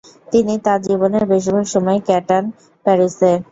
তিনি তার জীবনের বেশিরভাগ সময় কাটান প্যারিসে।